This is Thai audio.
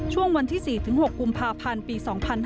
ช่วงวันที่๔๖กุมภาพันธ์ปี๒๕๕๙